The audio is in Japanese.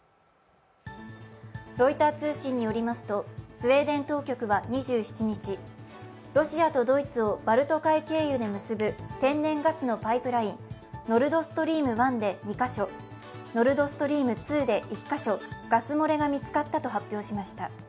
ロイター通信によりますとスウェーデン当局は２７日、ロシアとドイツをバルト海経由で結ぶ天然ガスのパイプライン、ノルドストリーム１で２か所、ノルドストリーム２で１か所、ガス漏れが見つかったと発表しました。